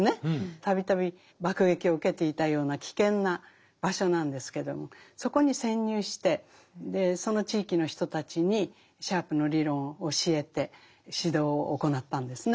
度々爆撃を受けていたような危険な場所なんですけどもそこに潜入してその地域の人たちにシャープの理論を教えて指導を行ったんですね。